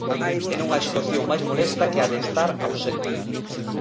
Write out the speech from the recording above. E non hai situación máis molesta que a de estar ausente.